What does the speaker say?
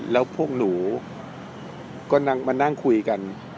แล้วพวกหนูก็มานั่งคุยกัน